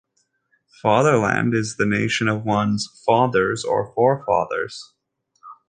Fatherland is the nation of one's "fathers" or "forefathers".